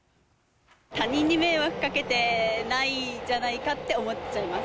他人に迷惑かけてないじゃないかって思っちゃいます。